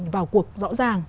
vào cuộc rõ ràng